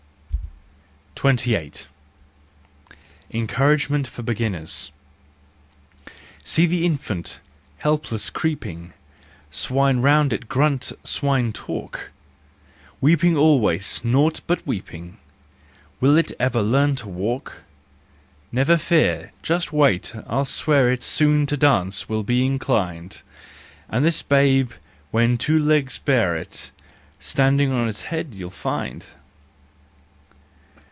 28. Encouragement for Beginners . See the infant, helpless creeping— Swine around it grunt swine talk— Weeping always, naught but weeping, Will it ever learn to walk ? Never fear! Just wait, I swear it Soon to dance will be inclined, And this babe, when two legs bear it, Standing on its head you'll find.